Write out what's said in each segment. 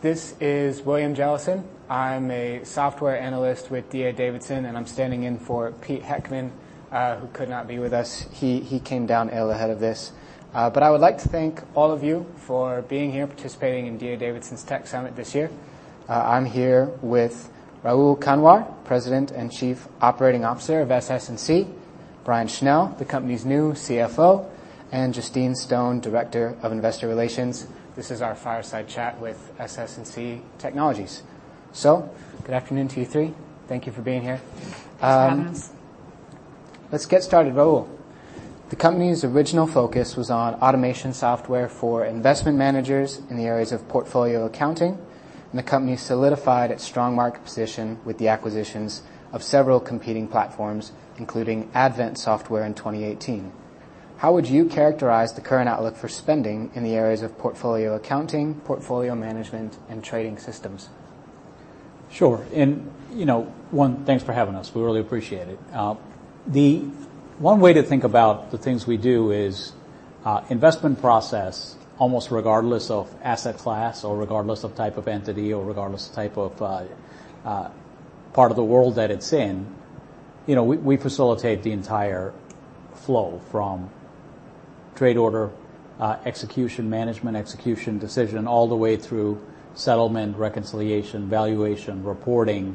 This is William Jellison. I'm a software analyst with D.A. Davidson, and I'm standing in for Pete Heckman, who could not be with us. He came down ill ahead of this. I would like to thank all of you for being here and participating in D.A. Davidson's Tech Summit this year. I'm here with Rahul Kanwar, President and Chief Operating Officer of SS&C, Brian Schell, the company's new CFO, and Justine Stone, Director of Investor Relations. This is our fireside chat with SS&C Technologies. Good afternoon to you three. Thank you for being here. Good afternoon. Let's get started, Rahul. The company's original focus was on automation software for investment managers in the areas of portfolio accounting, and the company solidified its strong market position with the acquisitions of several competing platforms, including Advent Software, in 2018. How would you characterize the current outlook for spending in the areas of portfolio accounting, portfolio management, and trading systems? Sure. And, you know, one, thanks for having us. We really appreciate it. The one way to think about the things we do is investment process, almost regardless of asset class, or regardless of type of entity, or regardless of type of part of the world that it's in, you know. We facilitate the entire flow from trade order execution, management execution, decision, all the way through settlement, reconciliation, valuation, reporting.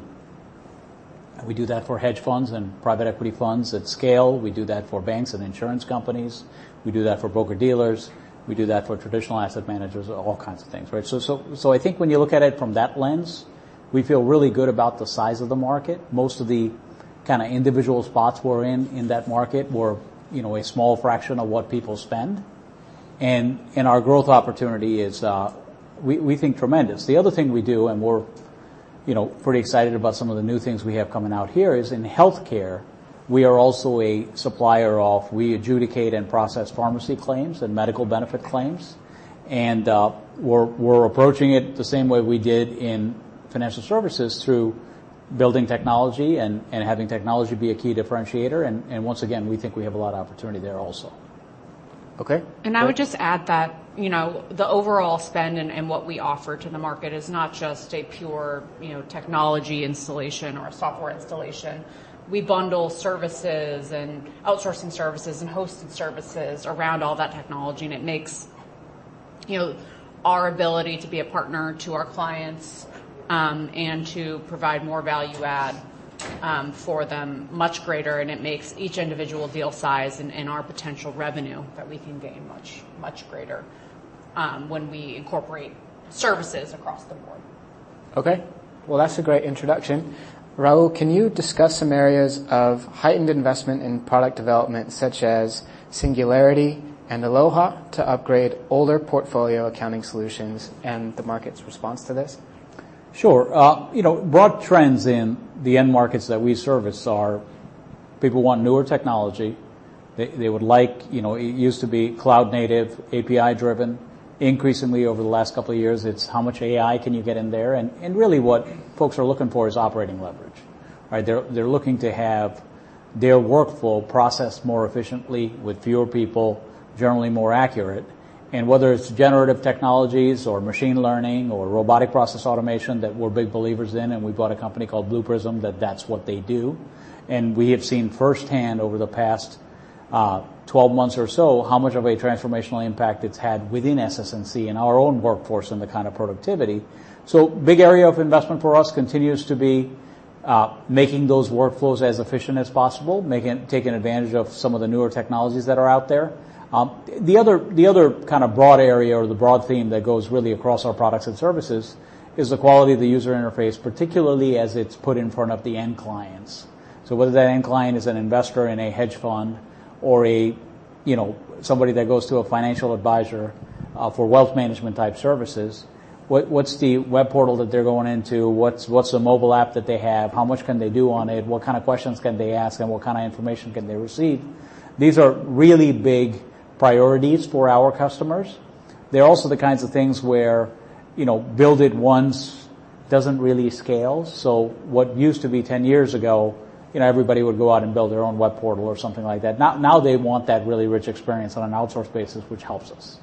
We do that for hedge funds and private equity funds at scale. We do that for banks and insurance companies. We do that for broker-dealers. We do that for traditional asset managers, all kinds of things, right? So I think when you look at it from that lens, we feel really good about the size of the market. Most of the kind of individual spots we're in, in that market were, you know, a small fraction of what people spend. And our growth opportunity is, we think, tremendous. The other thing we do, and we're, you know, pretty excited about some of the new things we have coming out here, is in healthcare, we are also a supplier of, we adjudicate and process pharmacy claims and medical benefit claims. And we're approaching it the same way we did in financial services through building technology and having technology be a key differentiator. And once again, we think we have a lot of opportunity there also. Okay. And I would just add that, you know, the overall spend and what we offer to the market is not just a pure, you know, technology installation or software installation. We bundle services and outsourcing services and hosting services around all that technology, and it makes, you know, our ability to be a partner to our clients and to provide more value-add for them much greater. And it makes each individual deal size and our potential revenue that we can gain much, much greater when we incorporate services across the board. Okay. Well, that's a great introduction. Rahul, can you discuss some areas of heightened investment in product development, such as Singularity and Aloha, to upgrade older portfolio accounting solutions and the market's response to this? Sure. You know, broad trends in the end markets that we service are people want newer technology. They would like, you know, it used to be cloud-native, API-driven. Increasingly, over the last couple of years, it's how much AI can you get in there? And really what folks are looking for is operating leverage, right? They're looking to have their workflow processed more efficiently with fewer people, generally more accurate. And whether it's generative technologies or machine learning or robotic process automation that we're big believers in, and we bought a company called Blue Prism that that's what they do. And we have seen firsthand over the past 12 months or so how much of a transformational impact it's had within SS&C and our own workforce and the kind of productivity. So a big area of investment for us continues to be making those workflows as efficient as possible, taking advantage of some of the newer technologies that are out there. The other kind of broad area or the broad theme that goes really across our products and services is the quality of the user interface, particularly as it's put in front of the end clients. So whether that end client is an investor in a hedge fund or a, you know, somebody that goes to a financial advisor for wealth management-type services, what's the web portal that they're going into? What's the mobile app that they have? How much can they do on it? What kind of questions can they ask? And what kind of information can they receive? These are really big priorities for our customers. They're also the kinds of things where, you know, build it once doesn't really scale. So what used to be 10 years ago, you know, everybody would go out and build their own web portal or something like that. Now they want that really rich experience on an outsource basis, which helps us.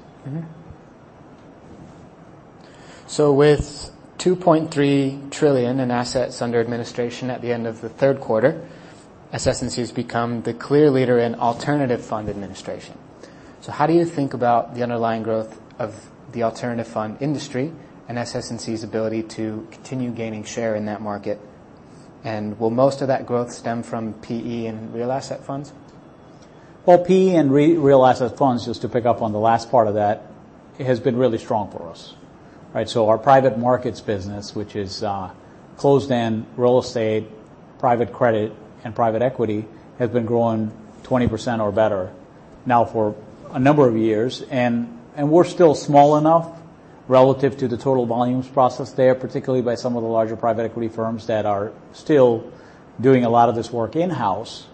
With $2.3 trillion in assets under administration at the end of the third quarter, SS&C has become the clear leader in alternative fund administration. How do you think about the underlying growth of the alternative fund industry and SS&C's ability to continue gaining share in that market? Will most of that growth stem from PE and real asset funds? Well, PE and real asset funds, just to pick up on the last part of that, has been really strong for us, right? So our private markets business, which is closed-end real estate, private credit, and private equity, has been growing 20% or better now for a number of years. And we're still small enough relative to the total volumes processed there, particularly by some of the larger private equity firms that are still doing a lot of this work in-house,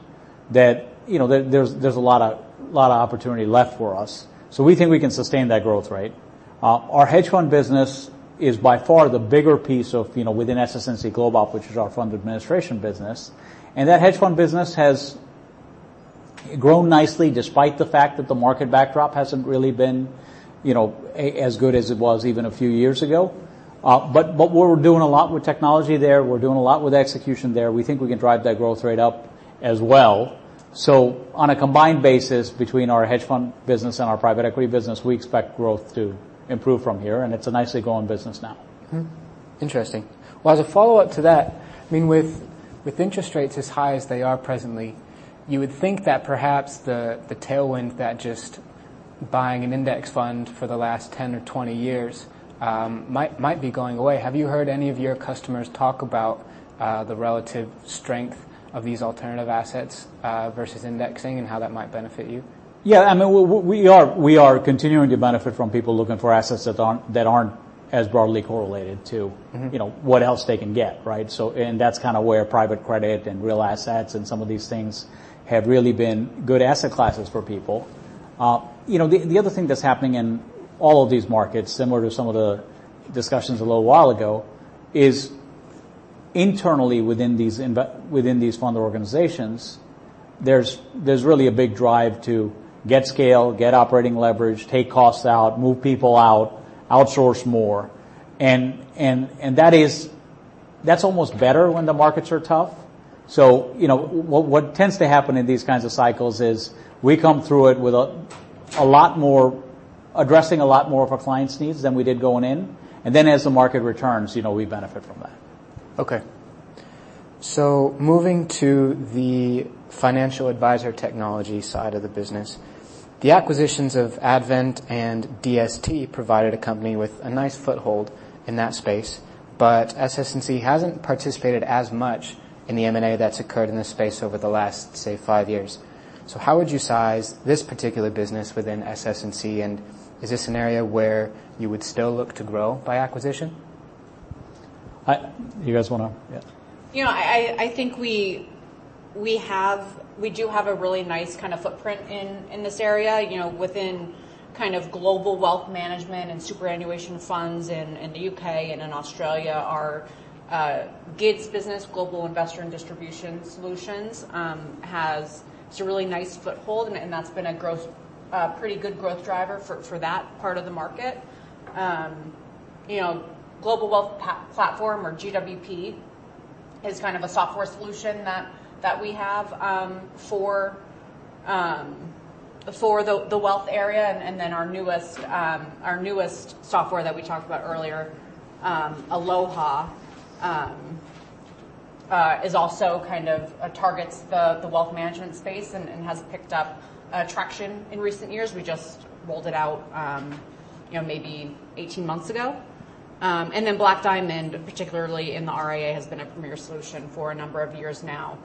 that, you know, there's a lot of opportunity left for us. So we think we can sustain that growth rate. Our hedge fund business is by far the bigger piece of, you know, within SS&C GlobeOp, which is our fund administration business. That hedge fund business has grown nicely despite the fact that the market backdrop hasn't really been, you know, as good as it was even a few years ago. We're doing a lot with technology there. We're doing a lot with execution there. We think we can drive that growth rate up as well. On a combined basis between our hedge fund business and our private equity business, we expect growth to improve from here. It's a nicely growing business now. Interesting. Well, as a follow-up to that, I mean, with interest rates as high as they are presently, you would think that perhaps the tailwind that just buying an index fund for the last 10 or 20 years might be going away. Have you heard any of your customers talk about the relative strength of these alternative assets versus indexing and how that might benefit you? Yeah. I mean, we are continuing to benefit from people looking for assets that aren't as broadly correlated to, you know, what else they can get, right? So, and that's kind of where private credit and real assets and some of these things have really been good asset classes for people. You know, the other thing that's happening in all of these markets, similar to some of the discussions a little while ago, is internally within these fund organizations, there's really a big drive to get scale, get operating leverage, take costs out, move people out, outsource more. And that is, that's almost better when the markets are tough. So, you know, what tends to happen in these kinds of cycles is we come through it with a lot more addressing a lot more of our clients' needs than we did going in. And then as the market returns, you know, we benefit from that. Okay. So moving to the financial advisor technology side of the business, the acquisitions of Advent and DST provided a company with a nice foothold in that space. But SS&C hasn't participated as much in the M&A that's occurred in this space over the last, say, five years. So how would you size this particular business within SS&C? And is this an area where you would still look to grow by acquisition? You guys want to, yeah. You know, I think we have, we do have a really nice kind of footprint in this area. You know, within kind of global wealth management and superannuation funds in the U.K. and in Australia, our GIDS business, Global Investor and Distribution Solutions, has a really nice foothold, and that's been a growth, a pretty good growth driver for that part of the market. You know, Global Wealth Platform, or GWP, is kind of a software solution that we have for the wealth area. And then our newest software that we talked about earlier, Aloha, is also kind of targets the wealth management space and has picked up traction in recent years. We just rolled it out, you know, maybe 18 months ago. Then Black Diamond, particularly in the RIA, has been a premier solution for a number of years now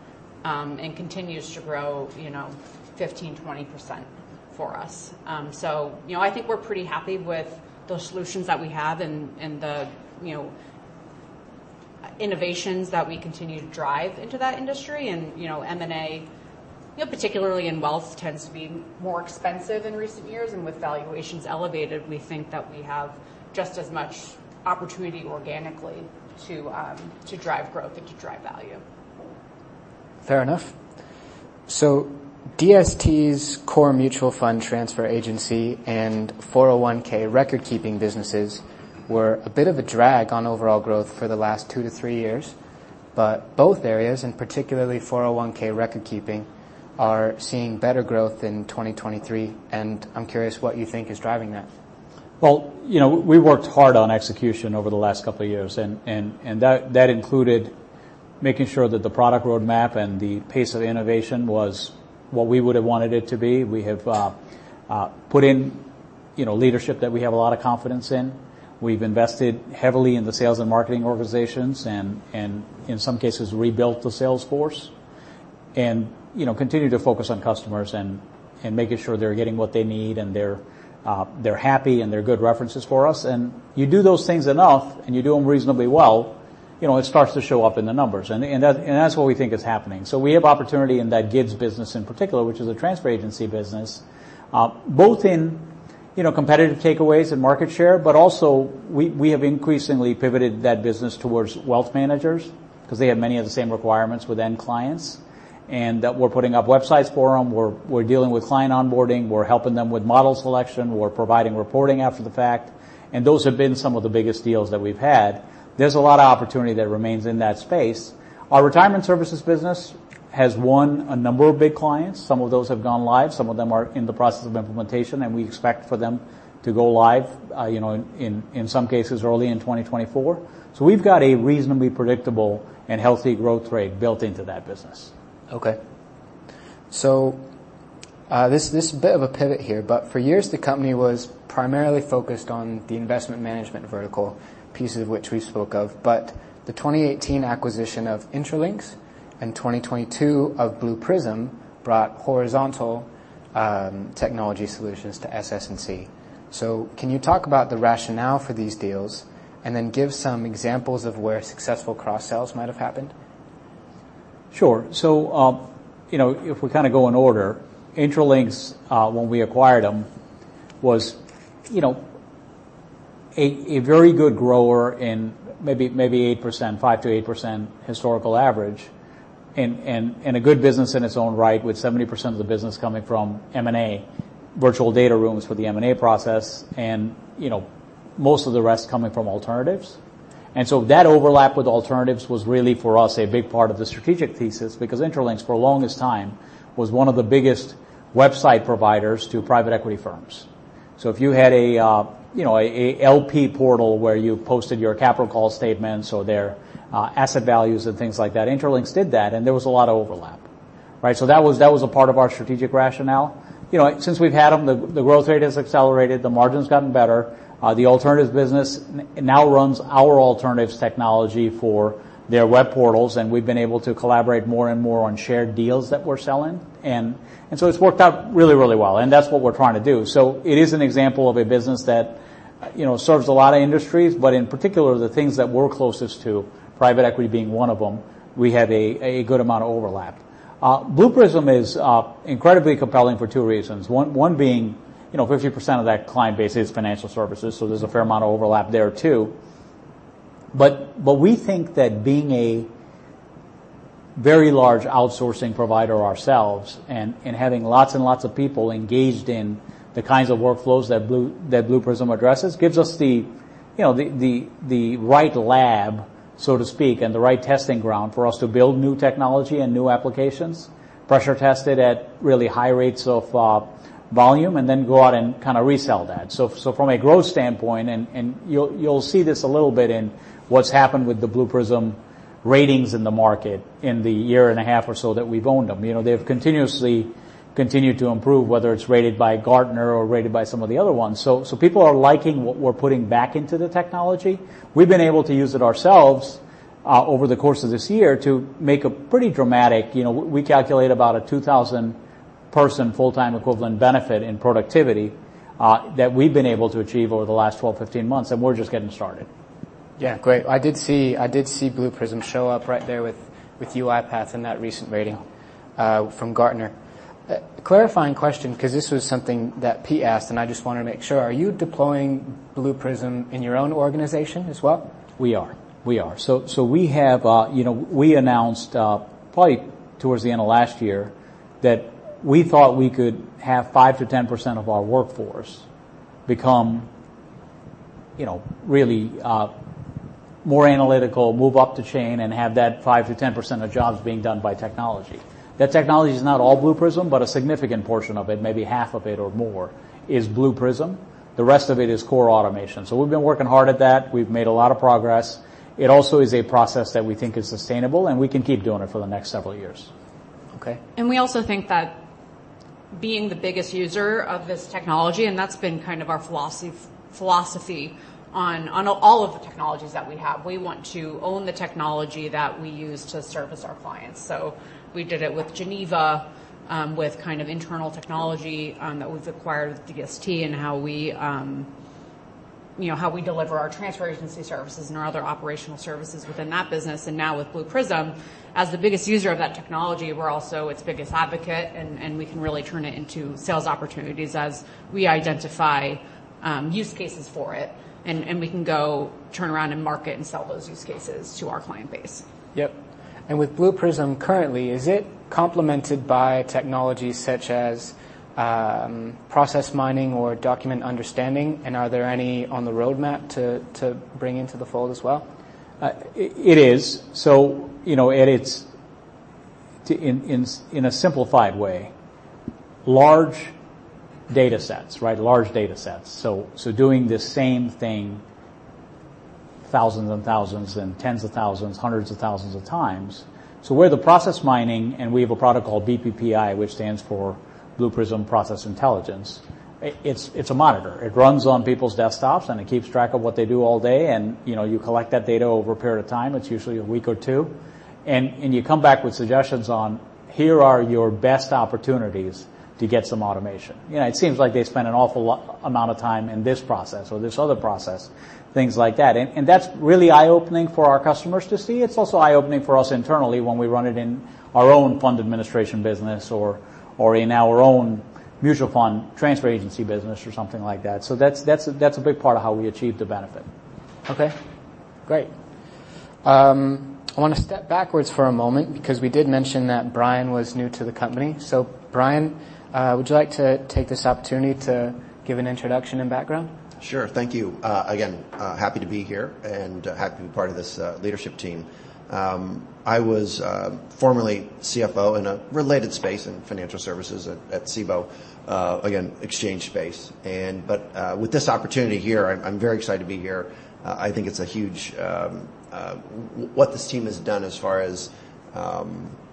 and continues to grow, you know, 15%-20% for us. So, you know, I think we're pretty happy with the solutions that we have and the, you know, innovations that we continue to drive into that industry. And, you know, M&A, you know, particularly in wealth, tends to be more expensive in recent years. And with valuations elevated, we think that we have just as much opportunity organically to drive growth and to drive value. Fair enough. So DST's core mutual fund transfer agency and 401(k) record-keeping businesses were a bit of a drag on overall growth for the last two to three years. But both areas, and particularly 401(k) record-keeping, are seeing better growth in 2023. And I'm curious what you think is driving that? You know, we worked hard on execution over the last couple of years. And that included making sure that the product roadmap and the pace of innovation was what we would have wanted it to be. We have put in, you know, leadership that we have a lot of confidence in. We've invested heavily in the sales and marketing organizations and, in some cases, rebuilt the sales force and, you know, continued to focus on customers and making sure they're getting what they need and they're happy and they're good references for us. And you do those things enough and you do them reasonably well, you know, it starts to show up in the numbers. And that's what we think is happening. So we have opportunity in that GIDS business in particular, which is a transfer agency business, both in, you know, competitive takeaways and market share. But also, we have increasingly pivoted that business toward wealth managers because they have many of the same requirements with end clients. And that we're putting up websites for them. We're dealing with client onboarding. We're helping them with model selection. We're providing reporting after the fact. And those have been some of the biggest deals that we've had. There's a lot of opportunity that remains in that space. Our retirement services business has won a number of big clients. Some of those have gone live. Some of them are in the process of implementation. And we expect for them to go live, you know, in some cases early in 2024. So we've got a reasonably predictable and healthy growth rate built into that business. Okay. This is a bit of a pivot here. For years, the company was primarily focused on the investment management vertical, pieces of which we spoke of. The 2018 acquisition of Intralinks and 2022 of Blue Prism brought horizontal technology solutions to SS&C. Can you talk about the rationale for these deals and then give some examples of where successful cross-sells might have happened? Sure. You know, if we kind of go in order, Intralinks, when we acquired them, was, you know, a very good grower in maybe 8%, 5%-8% historical average and a good business in its own right with 70% of the business coming from M&A, virtual data rooms for the M&A process, and, you know, most of the rest coming from alternatives. That overlap with alternatives was really for us a big part of the strategic thesis because Intralinks, for the longest time, was one of the biggest website providers to private equity firms. So if you had a, you know, an LP portal where you posted your capital call statements or their asset values and things like that, Intralinks did that. There was a lot of overlap, right? That was a part of our strategic rationale. You know, since we've had them, the growth rate has accelerated. The margin's gotten better. The alternative business now runs our alternatives technology for their web portals. And we've been able to collaborate more and more on shared deals that we're selling. And so it's worked out really, really well. And that's what we're trying to do. So it is an example of a business that, you know, serves a lot of industries. But in particular, the things that we're closest to, private equity being one of them, we have a good amount of overlap. Blue Prism is incredibly compelling for two reasons. One being, you know, 50% of that client base is financial services. So there's a fair amount of overlap there too. But we think that being a very large outsourcing provider ourselves and having lots and lots of people engaged in the kinds of workflows that Blue Prism addresses gives us the, you know, the right lab, so to speak, and the right testing ground for us to build new technology and new applications, pressure test it at really high rates of volume, and then go out and kind of resell that. So from a growth standpoint, and you'll see this a little bit in what's happened with the Blue Prism ratings in the market in the year and a half or so that we've owned them. You know, they've continuously continued to improve, whether it's rated by Gartner or rated by some of the other ones. So people are liking what we're putting back into the technology. We've been able to use it ourselves over the course of this year to make a pretty dramatic, you know, we calculate about a 2,000-person full-time equivalent benefit in productivity that we've been able to achieve over the last 12-15 months, and we're just getting started. Yeah. Great. I did see Blue Prism show up right there with UiPath in that recent rating from Gartner. Clarifying question, because this was something that Pete asked, and I just wanted to make sure. Are you deploying Blue Prism in your own organization as well? So we have, you know, we announced probably towards the end of last year that we thought we could have 5%-10% of our workforce become, you know, really more analytical, move up the chain, and have that 5%-10% of jobs being done by technology. That technology is not all Blue Prism, but a significant portion of it, maybe half of it or more, is Blue Prism. The rest of it is core automation. So we've been working hard at that. We've made a lot of progress. It also is a process that we think is sustainable, and we can keep doing it for the next several years. Okay. We also think that being the biggest user of this technology, and that's been kind of our philosophy on all of the technologies that we have, we want to own the technology that we use to service our clients. We did it with Geneva, with kind of internal technology that we've acquired with DST and how we, you know, how we deliver our transfer agency services and our other operational services within that business. Now with Blue Prism, as the biggest user of that technology, we're also its biggest advocate. We can really turn it into sales opportunities as we identify use cases for it. We can go turn around and market and sell those use cases to our client base. Yep. And with Blue Prism currently, is it complemented by technologies such as process mining or document understanding? And are there any on the roadmap to bring into the fold as well? It is. So, you know, in a simplified way, large data sets, right? Large data sets. So doing the same thing thousands and thousands and tens of thousands, hundreds of thousands of times. So we're the process mining, and we have a product called BPPI, which stands for Blue Prism Process Intelligence. It's a monitor. It runs on people's desktops, and it keeps track of what they do all day. And, you know, you collect that data over a period of time. It's usually a week or two. And you come back with suggestions on, here are your best opportunities to get some automation. You know, it seems like they spend an awful amount of time in this process or this other process, things like that. And that's really eye-opening for our customers to see. It's also eye-opening for us internally when we run it in our own fund administration business or in our own mutual fund transfer agency business or something like that. So that's a big part of how we achieve the benefit. Okay. Great. I want to step backwards for a moment because we did mention that Brian was new to the company. So Brian, would you like to take this opportunity to give an introduction and background? Sure. Thank you. Again, happy to be here and happy to be part of this leadership team. I was formerly CFO in a related space in financial services at Cboe, again, exchange space. But with this opportunity here, I'm very excited to be here. I think it's a huge what this team has done as far as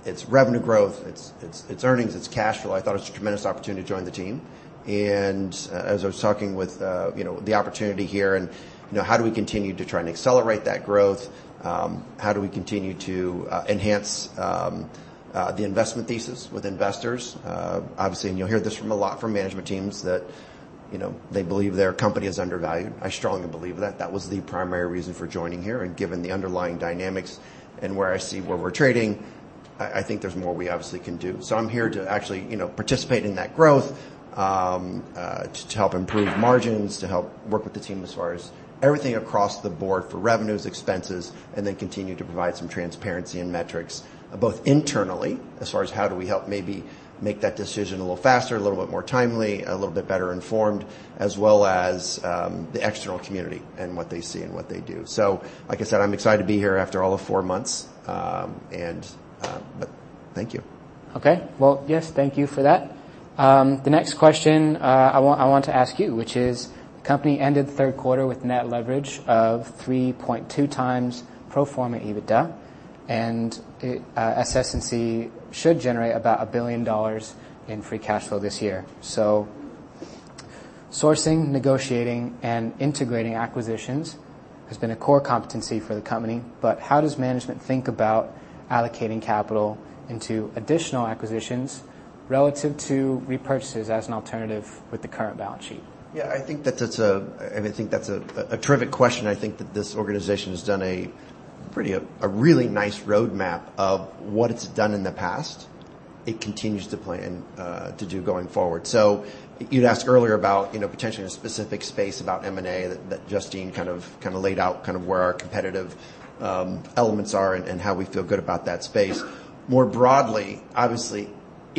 its revenue growth, its earnings, its cash flow. I thought it's a tremendous opportunity to join the team. And as I was talking with, you know, the opportunity here and, you know, how do we continue to try and accelerate that growth? How do we continue to enhance the investment thesis with investors? Obviously, and you'll hear this from a lot from management teams that, you know, they believe their company is undervalued. I strongly believe that. That was the primary reason for joining here. Given the underlying dynamics and where I see we're trading, I think there's more we obviously can do. So I'm here to actually, you know, participate in that growth to help improve margins, to help work with the team as far as everything across the board for revenues, expenses, and then continue to provide some transparency and metrics both internally as far as how do we help maybe make that decision a little faster, a little bit more timely, a little bit better informed, as well as the external community and what they see and what they do. So, like I said, I'm excited to be here after all of four months. But thank you. Yes, thank you for that. The next question I want to ask you, which is, the company ended third quarter with net leverage of 3.2 times pro forma EBITDA, and SS&C should generate about $1 billion in free cash flow this year, so sourcing, negotiating, and integrating acquisitions has been a core competency for the company, but how does management think about allocating capital into additional acquisitions relative to repurchases as an alternative with the current balance sheet? Yeah. I think that's a terrific question. I think that this organization has done a really nice roadmap of what it's done in the past. It continues to plan to do going forward. So you'd asked earlier about, you know, potentially a specific space about M&A that Justine kind of laid out kind of where our competitive elements are and how we feel good about that space. More broadly, obviously,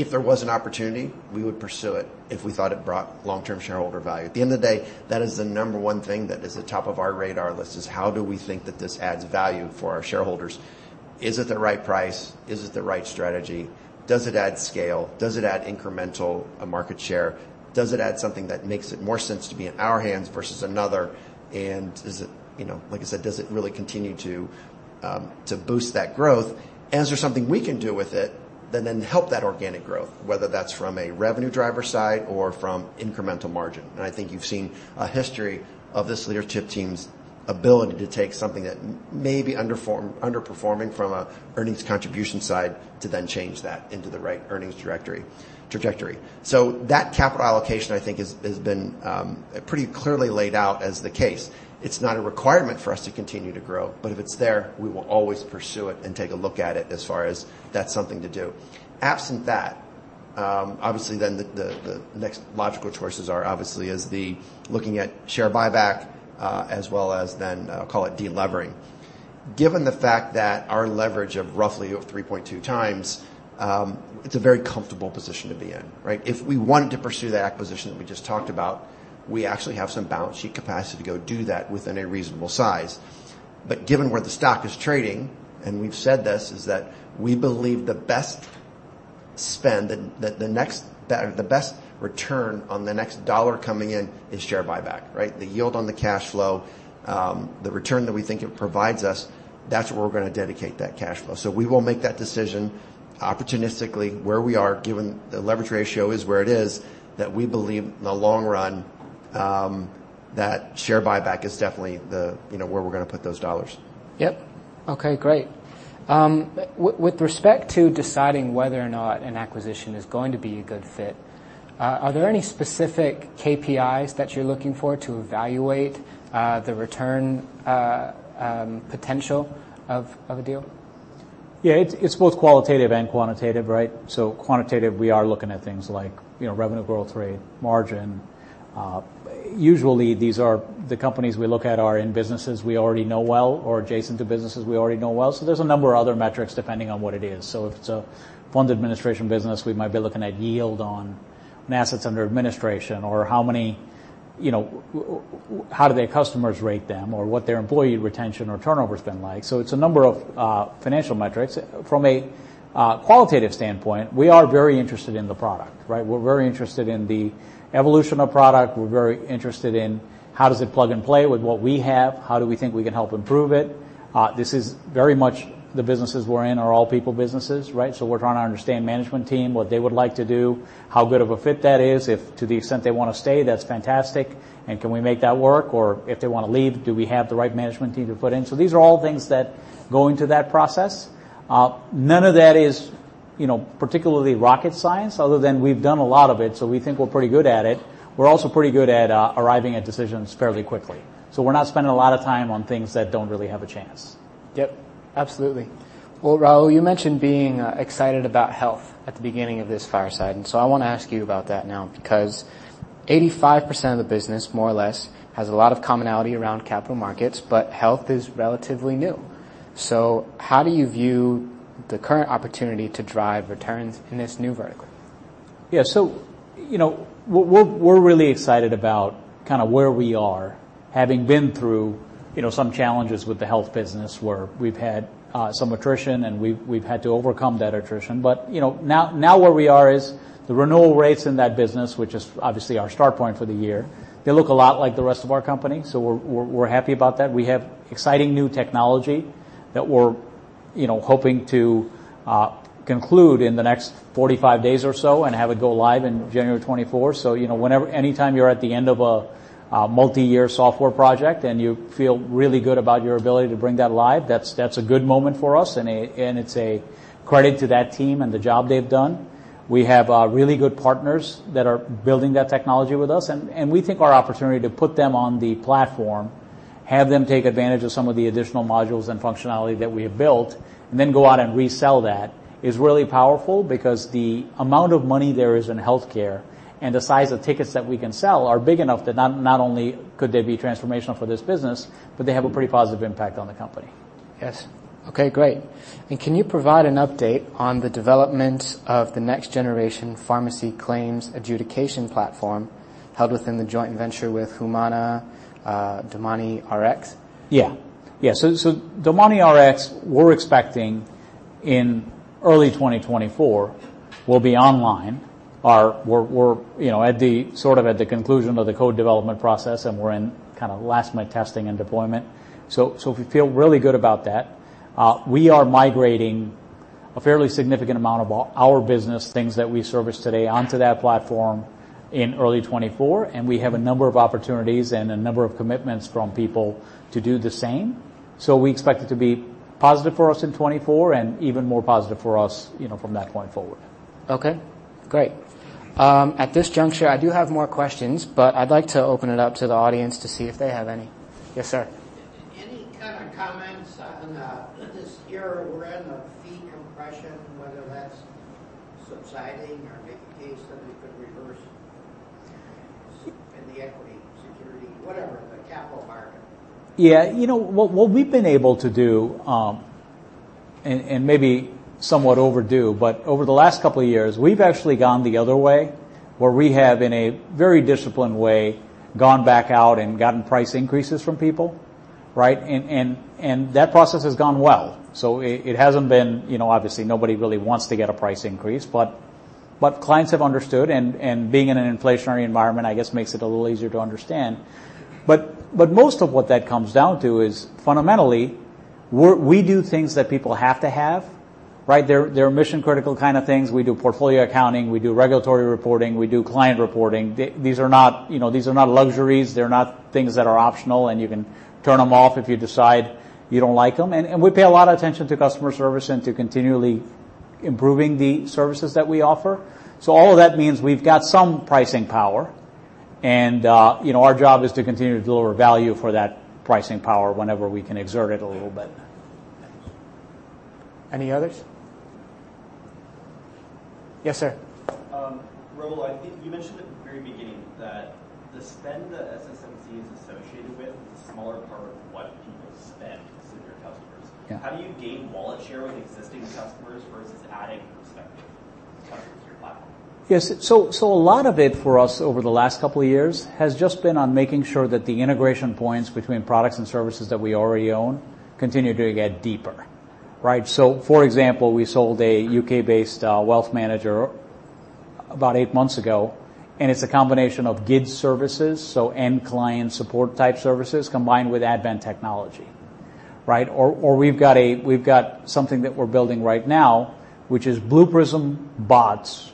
if there was an opportunity, we would pursue it if we thought it brought long-term shareholder value. At the end of the day, that is the number one thing that is at the top of our radar list is how do we think that this adds value for our shareholders? Is it the right price? Is it the right strategy? Does it add scale? Does it add incremental market share? Does it add something that makes it more sense to be in our hands versus another, and is it, you know, like I said, does it really continue to boost that growth, and is there something we can do with it that then help that organic growth, whether that's from a revenue driver side or from incremental margin, and I think you've seen a history of this leadership team's ability to take something that may be underperforming from an earnings contribution side to then change that into the right earnings trajectory, so that capital allocation, I think, has been pretty clearly laid out as the case. It's not a requirement for us to continue to grow, but if it's there, we will always pursue it and take a look at it as far as that's something to do. Absent that, obviously, then the next logical choices are obviously, as we're looking at, share buyback as well as then I'll call it delevering. Given the fact that our leverage of roughly 3.2 times, it's a very comfortable position to be in, right? If we wanted to pursue that acquisition that we just talked about, we actually have some balance sheet capacity to go do that within a reasonable size, but given where the stock is trading, and we've said this, is that we believe the best spend, the next best return on the next dollar coming in is share buyback, right? The yield on the cash flow, the return that we think it provides us, that's where we're going to dedicate that cash flow. So we will make that decision opportunistically where we are, given the leverage ratio is where it is, that we believe in the long run that share buyback is definitely the, you know, where we're going to put those dollars. Yep. Okay. Great. With respect to deciding whether or not an acquisition is going to be a good fit, are there any specific KPIs that you're looking for to evaluate the return potential of a deal? Yeah. It's both qualitative and quantitative, right? So quantitative, we are looking at things like, you know, revenue growth rate, margin. Usually, these are the companies we look at are in businesses we already know well or adjacent to businesses we already know well. So there's a number of other metrics depending on what it is. So if it's a fund administration business, we might be looking at yield on assets under administration or how many, you know, how do their customers rate them or what their employee retention or turnover has been like. So it's a number of financial metrics. From a qualitative standpoint, we are very interested in the product, right? We're very interested in the evolution of product. We're very interested in how does it plug and play with what we have? How do we think we can help improve it? This is very much the businesses we're in are all people businesses, right? So we're trying to understand management team, what they would like to do, how good of a fit that is. If to the extent they want to stay, that's fantastic. And can we make that work? Or if they want to leave, do we have the right management team to put in? So these are all things that go into that process. None of that is, you know, particularly rocket science other than we've done a lot of it. So we think we're pretty good at it. We're also pretty good at arriving at decisions fairly quickly. So we're not spending a lot of time on things that don't really have a chance. Yep. Absolutely. Well, Rahul, you mentioned being excited about health at the beginning of this fireside. And so I want to ask you about that now because 85% of the business, more or less, has a lot of commonality around capital markets, but health is relatively new. So how do you view the current opportunity to drive returns in this new vertical? Yeah. So you know, we're really excited about kind of where we are having been through, you know, some challenges with the health business where we've had some attrition and we've had to overcome that attrition. But you know, now where we are is the renewal rates in that business, which is obviously our start point for the year. They look a lot like the rest of our company. So we're happy about that. We have exciting new technology that we're, you know, hoping to conclude in the next 45 days or so and have it go live in January 2024. So you know, whenever anytime you're at the end of a multi-year software project and you feel really good about your ability to bring that live, that's a good moment for us. And it's a credit to that team and the job they've done. We have really good partners that are building that technology with us. And we think our opportunity to put them on the platform, have them take advantage of some of the additional modules and functionality that we have built, and then go out and resell that is really powerful because the amount of money there is in healthcare and the size of tickets that we can sell are big enough that not only could they be transformational for this business, but they have a pretty positive impact on the company. Yes. Okay. Great. And can you provide an update on the development of the next generation pharmacy claims adjudication platform held within the joint venture with Humana DomaniRx? Yeah. Yeah. So DomaniRx, we're expecting in early 2024, we'll be online. We're, you know, at the sort of at the conclusion of the code development process, and we're in kind of last-minute testing and deployment. So we feel really good about that. We are migrating a fairly significant amount of our business, things that we service today, onto that platform in early 2024. And we have a number of opportunities and a number of commitments from people to do the same. So we expect it to be positive for us in 2024 and even more positive for us, you know, from that point forward. Okay. Great. At this juncture, I do have more questions, but I'd like to open it up to the audience to see if they have any? Yes, sir. Any kind of comments on this era we're in of fee compression, whether that's subsiding or make a case that we could reverse in the equity security, whatever, the capital market? Yeah. You know, what we've been able to do, and maybe somewhat overdue, but over the last couple of years, we've actually gone the other way where we have in a very disciplined way gone back out and gotten price increases from people, right? And that process has gone well. So it hasn't been, you know, obviously nobody really wants to get a price increase, but clients have understood. And being in an inflationary environment, I guess, makes it a little easier to understand. But most of what that comes down to is fundamentally we do things that people have to have, right? They're mission-critical kind of things. We do portfolio accounting. We do regulatory reporting. We do client reporting. These are not, you know, these are not luxuries. They're not things that are optional, and you can turn them off if you decide you don't like them. And we pay a lot of attention to customer service and to continually improving the services that we offer. So all of that means we've got some pricing power. And, you know, our job is to continue to deliver value for that pricing power whenever we can exert it a little bit. Any others? Yes, sir. Rahul, you mentioned at the very beginning that the spend that SS&C is associated with is a smaller part of what people spend to their customers. How do you gain wallet share with existing customers versus adding respective customers to your platform? Yes. So a lot of it for us over the last couple of years has just been on making sure that the integration points between products and services that we already own continue to get deeper, right? So, for example, we sold a UK-based wealth manager about eight months ago, and it's a combination of GIDS services, so end-client support type services combined with Advent technology, right? Or we've got something that we're building right now, which is Blue Prism bots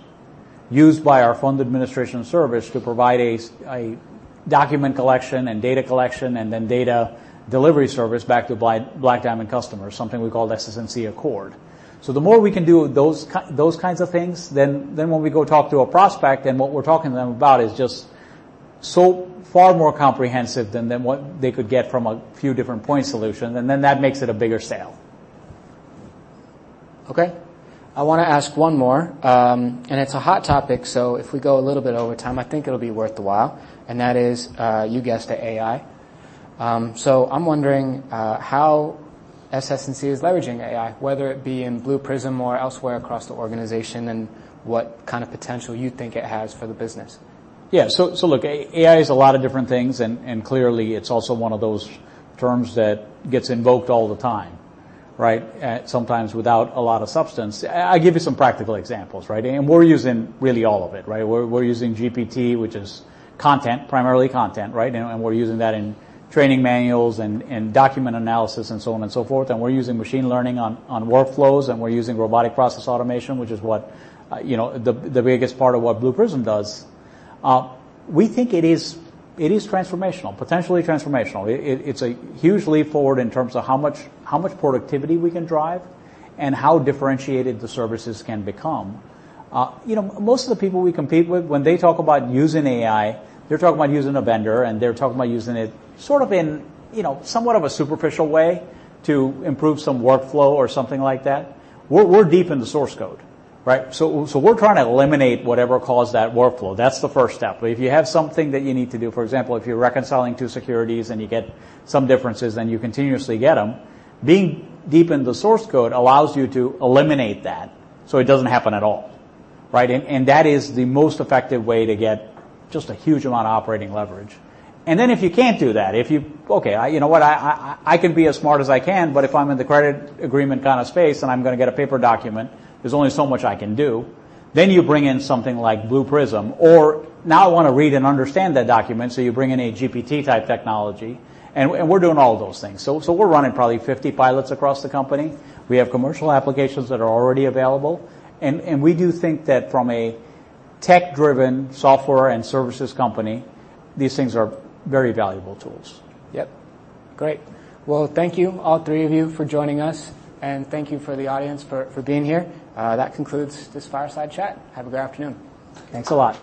used by our fund administration service to provide a document collection and data collection and then data delivery service back to Black Diamond customers, something we call SS&C Chorus. So the more we can do those kinds of things, then when we go talk to a prospect, then what we're talking to them about is just so far more comprehensive than what they could get from a few different point solutions. And then that makes it a bigger sale. Okay. I want to ask one more. And it's a hot topic. So if we go a little bit over time, I think it'll be worth the while. And that is, you guessed it, AI. So I'm wondering how SS&C is leveraging AI, whether it be in Blue Prism or elsewhere across the organization and what kind of potential you think it has for the business. Yeah. So look, AI is a lot of different things. And clearly, it's also one of those terms that gets invoked all the time, right? Sometimes without a lot of substance. I'll give you some practical examples, right? And we're using really all of it, right? We're using GPT, which is content, primarily content, right? And we're using that in training manuals and document analysis and so on and so forth. And we're using machine learning on workflows. And we're using robotic process automation, which is what, you know, the biggest part of what Blue Prism does. We think it is transformational, potentially transformational. It's a huge leap forward in terms of how much productivity we can drive and how differentiated the services can become. You know, most of the people we compete with, when they talk about using AI, they're talking about using a vendor, and they're talking about using it sort of in, you know, somewhat of a superficial way to improve some workflow or something like that. We're deep in the source code, right? So we're trying to eliminate whatever caused that workflow. That's the first step. But if you have something that you need to do, for example, if you're reconciling two securities and you get some differences and you continuously get them, being deep in the source code allows you to eliminate that so it doesn't happen at all, right? And that is the most effective way to get just a huge amount of operating leverage. Then if you can't do that, okay, you know what, I can be as smart as I can, but if I'm in the credit agreement kind of space and I'm going to get a paper document, there's only so much I can do. Then you bring in something like Blue Prism or now I want to read and understand that document. So you bring in a GPT type technology. We're doing all of those things. We're running probably 50 pilots across the company. We have commercial applications that are already available. We do think that from a tech-driven software and services company, these things are very valuable tools. Yep. Great. Well, thank you all three of you for joining us. And thank you for the audience for being here. That concludes this fireside chat. Have a good afternoon. Thanks a lot.